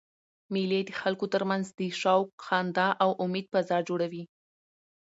مېلې د خلکو ترمنځ د شوق، خندا او امېد فضا جوړوي.